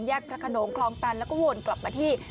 พระขนงคลองตันแล้วก็วนกลับมาที่